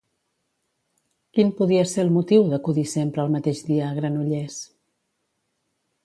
Quin podia ser el motiu d'acudir sempre el mateix dia a Granollers?